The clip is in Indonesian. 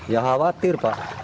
ya khawatir pak